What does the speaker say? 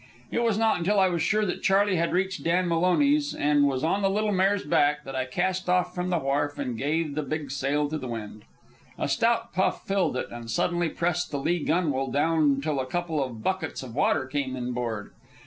It was not until I was sure that Charley had reached Dan Maloney's and was on the little mare's back, that I cast off from the wharf and gave the big sail to the wind. A stout puff filled it and suddenly pressed the lee gunwale down till a couple of buckets of water came inboard.